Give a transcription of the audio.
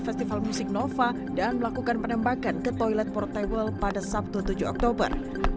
festival musik nova dan melakukan penembakan ke toilet portable pada sabtu tujuh oktober